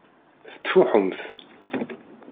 Tettfuḥumt.